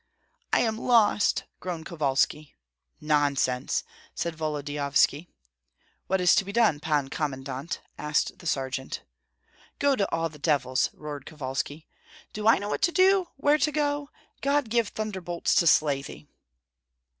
"I am lost!" groaned Kovalski. "Nonsense!" said Volodyovski. "What is to be done, Pan Commandant?" asked the sergeant. "Go to all the devils!" roared Kovalski. "Do I know what to do, where to go? God give thunderbolts to slay thee!"